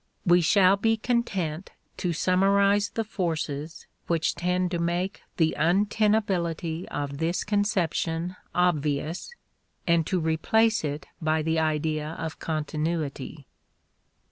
We shall be content to summarize the forces which tend to make the untenability of this conception obvious and to replace it by the idea of continuity.